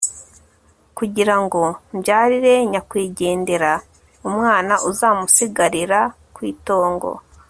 kugira ngo mbyarire nyakwigendera umwana uzamusigarira ku itongo